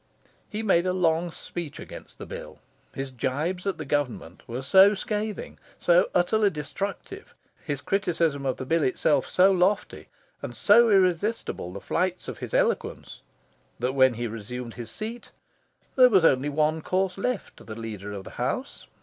He made a long speech against the bill. His gibes at the Government were so scathing, so utterly destructive his criticism of the bill itself, so lofty and so irresistible the flights of his eloquence, that, when he resumed his seat, there was only one course left to the Leader of the House.